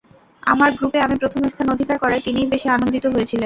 আমার গ্রুপে আমি প্রথম স্থান অধিকার করায় তিনিই বেশি আনন্দিত হয়েছিলেন।